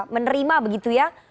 menerima begitu ya